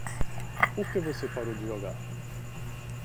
Por que você parou de jogar?